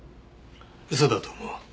嘘だと思う。